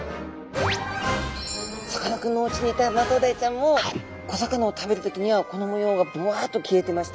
さかなクンのおうちにいたマトウダイちゃんも小魚を食べる時にはこの模様がバッと消えてました。